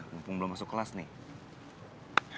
mumpung belum masuk kelas nih